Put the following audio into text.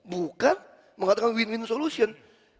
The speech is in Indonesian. bukan mengatakan win win solution